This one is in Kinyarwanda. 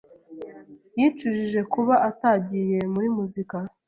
Yicujije kuba atagiye muri muzika.